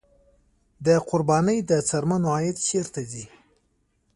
د قربانۍ د څرمنو عاید چیرته ځي؟